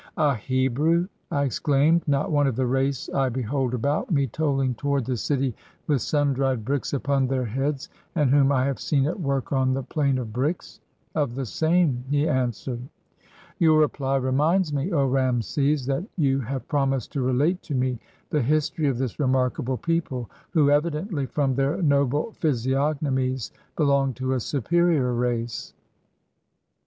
"A Hebrew!" I exclaimed. "Not one of the race I 128 IN THE BRICK FIELDS behold about me toiling toward the city with sun dried bricks upon their heads, and whom I have seen at work on the plain of bricks?" "Of the same," he answered. "Your reply reminds me, O Rameses, that you have promised to relate to me the history of this remarkable people, who evidently, from their noble physiognomies, belong to a superior race."